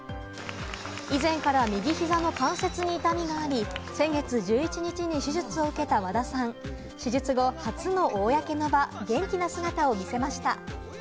以前から右膝の関節に痛みがあり、先月１１日に手術を受けた和田さん。手術後、初の公の場、元気な姿を見せました。